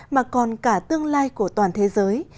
mà còn cả tương lai của toàn thế giới